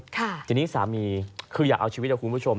ทีนี้สามีคืออยากเอาชีวิตนะคุณผู้ชม